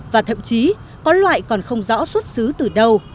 và thậm chí có loại còn không rõ xuất xứ từ đâu